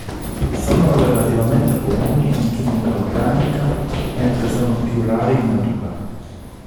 Sono relativamente comuni in chimica organica, mentre sono più rari in natura.